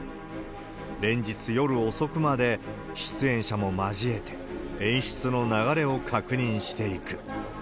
連日夜遅くまで、出演者も交えて、演出の流れを確認していく。